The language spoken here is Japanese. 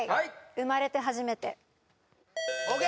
「生まれてはじめて」ＯＫ！